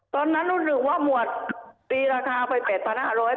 ตอนนั้นรู้สึกว่าหมวดตีราคาไป๘๕๐๐บาท